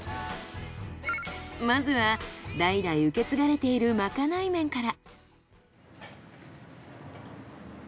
まずは代々受け継がれているまかない麺から。